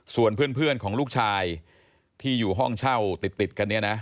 ส่วนเพื่อนของลูกชายที่อยู่ห้องเช่าติดกันเนี่ยนะ